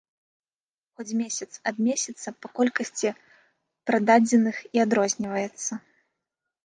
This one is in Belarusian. Хоць месяц ад месяца па колькасці прададзеных і адрозніваецца.